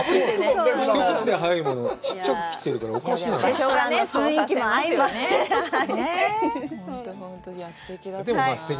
一口で入るものをちっちゃく切ってるからおかしいなって。